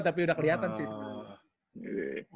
tapi udah keliatan sih